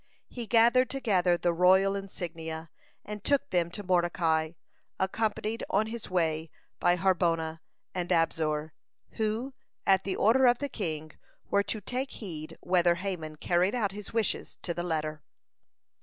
(169) He gathered together the royal insignia, and took them to Mordecai, accompanied on his way by Harbonah and Abzur, who, at the order of the king, were to take heed whether Haman carried out his wishes to the letter.